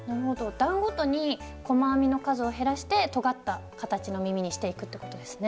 段ごとに細編みの数を減らしてとがった形の耳にしていくってことですね。